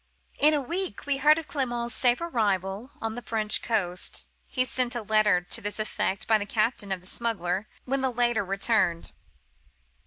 "In a week we heard of Clement's safe arrival on the French coast. He sent a letter to this effect by the captain of the smuggler, when the latter returned.